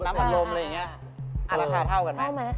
น้ำมะลมร้อนหน้าราคาเท่ากันไม่